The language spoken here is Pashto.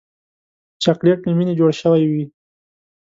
چاکلېټ له مینې جوړ شوی وي.